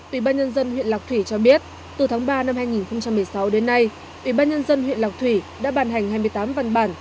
ubnd huyện lạc thủy cho biết từ tháng ba năm hai nghìn một mươi sáu đến nay ubnd huyện lạc thủy đã bàn hành hai mươi tám văn bản